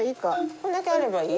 こんだけあればいい？